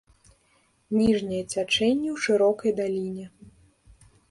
Ніжняе цячэнне ў шырокай даліне.